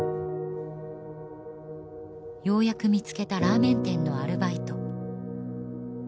ようやく見つけたラーメン店のアルバイト